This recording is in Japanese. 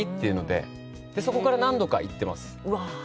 でそこから何度か行ってます。